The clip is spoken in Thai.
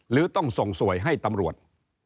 หรือต้องส่งสวยให้ตำรวจ